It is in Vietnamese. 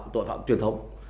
tội phạm truyền thống